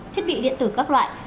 thiết bị điện tử các loại